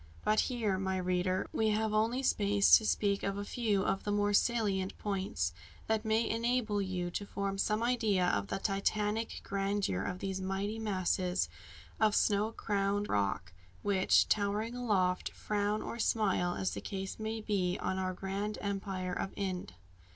But here, my reader, we have only space to speak of a few of the more salient points, that may enable you to form some idea of the Titanic grandeur of these mighty masses of snow crowned rock, which, towering aloft, frown or smile, as the case may be, on our grand empire of Ind.